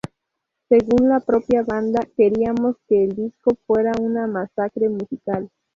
Según la propia banda "queríamos que el disco fuera una masacre musical".